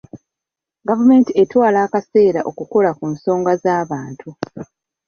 Gavumenti etwala akaseera okukola ku nsonga z'abantu.